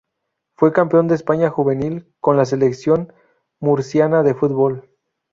Fue campeón de España juvenil con la selección murciana de fútbol.